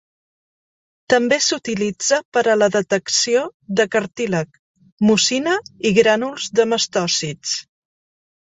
També s'utilitza per a la detecció de cartílag, mucina i grànuls de mastòcits.